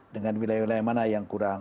dengan wilayah wilayah mana yang kurang